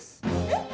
えっ？